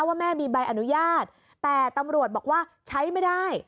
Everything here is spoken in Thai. ว่าแม่มีใบอนุญาตแต่ตำรวจบอกว่าใช้ไม่ได้